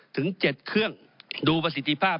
ถึง๗เครื่องดูประสิทธิภาพ